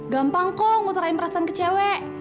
gampang kok ngutarain perasaan ke cewe